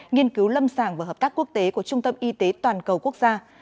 nghiên cứu lâm sàng và hợp tác quốc tế của trung tâm y tế toàn cầu quốc gia